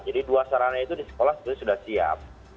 jadi dua sarana itu di sekolah sudah siap